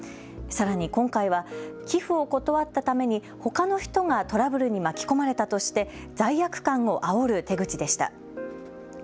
さらに今回は寄付を断ったためにほかの人がトラブルに巻き込まれたとして罪悪感をあおる手口でした。